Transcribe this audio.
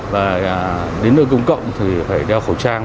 và đến nơi công cộng thì phải đeo khẩu trang